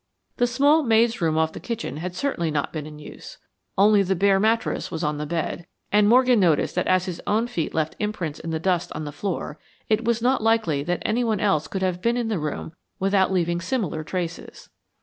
The small maid's room off the kitchen had certainly not been in use. Only the bare mattress was on the bed, and Morgan noticed that as his own feet left imprints in the dust on the floor, it was not likely that anyone else could have been in the room without leaving similar traces.